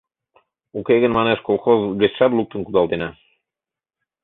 Уке гын, манеш, колхоз гычшат луктын кудалтена!